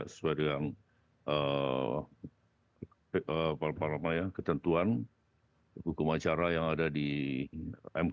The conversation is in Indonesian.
sesuai dengan ketentuan hukum acara yang ada di mk